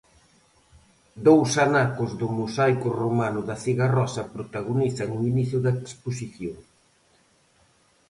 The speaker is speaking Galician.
Dous anacos do mosaico romano da Cigarrosa protagonizan o inicio da exposición.